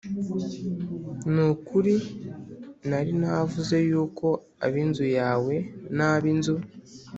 Ni ukuri nari navuze yuko ab inzu yawe n ab inzu